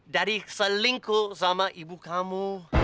dari selingkuh sama ibu kamu